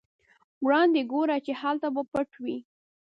وړاندې ګوره چې هلته به پټ وي.